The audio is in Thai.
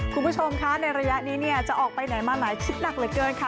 คุณผู้ชมคะในระยะนี้เนี่ยจะออกไปไหนมาไหนคิดหนักเหลือเกินค่ะ